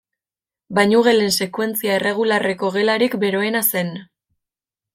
Bainu gelen sekuentzia erregularreko gelarik beroena zen.